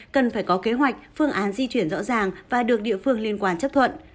cần phải có kế hoạch phương án di chuyển rõ ràng và được địa phương liên quan chấp thuận